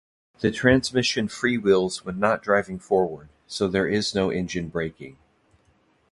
The transmission freewheels when not driving forward, so there is no engine braking.